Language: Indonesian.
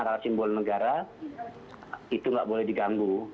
karena simbol negara itu tidak boleh diganggu